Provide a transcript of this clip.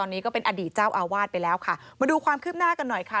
มาดูความคืบหน้ากันหน่อยค่ะ